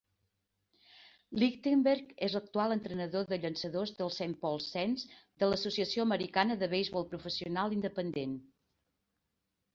Ligtenberg és l'actual entrenador de llançadors dels Saint Paul Saints de l'Associació Americana de Beisbol Professional Independent.